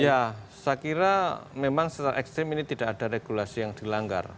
ya saya kira memang secara ekstrim ini tidak ada regulasi yang dilanggar